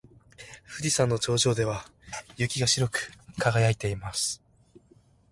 富士山の頂上は雪で白く輝いています。